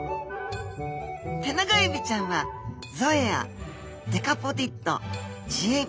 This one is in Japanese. テナガエビちゃんはゾエアデカポディッド稚エビ